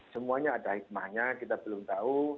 semuanya ada hikmahnya kita belum tahu